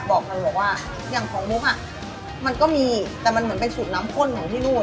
บอกมันบอกว่าอย่างของมุกอ่ะมันก็มีแต่มันเหมือนเป็นสูตรน้ำข้นของที่นู่น